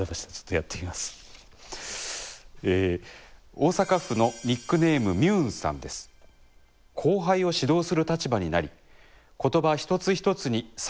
大阪府のニックネームみゅーんさんです。